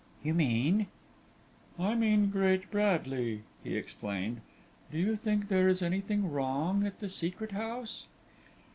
"You mean ?" "I mean Great Bradley," he explained. "Do you think there is anything wrong at the Secret House?"